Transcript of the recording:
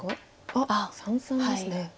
あっ三々ですね。